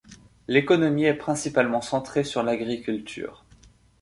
L'économie est principalement centrée sur l'agriculture.